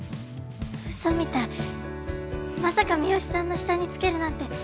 嘘みたいまさか三好さんの下につけるなんて。